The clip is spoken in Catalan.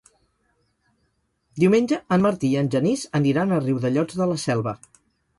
Diumenge en Martí i en Genís aniran a Riudellots de la Selva.